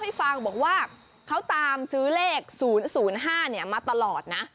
ให้ฟังบอกว่าเขาตามซื้อเลข๐๐๕มาตลอดนะ